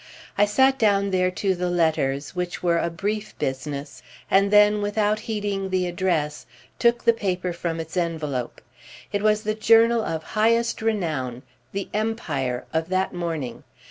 I sat down there to the letters, which were a brief business, and then, without heeding the address, took the paper from its envelope. It was the journal of highest renown, The Empire of that morning.